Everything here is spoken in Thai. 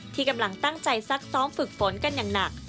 ที่กำลังตั้งใจซักซ้อมฝึกฝนกันอย่างหนัก